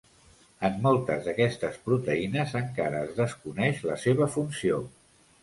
En moltes d'aquestes proteïnes encara es desconeix la seva funció.